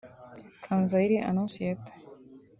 Kanzayire Anonsiyata